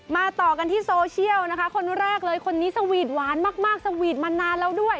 ต่อกันที่โซเชียลนะคะคนแรกเลยคนนี้สวีทหวานมากสวีทมานานแล้วด้วย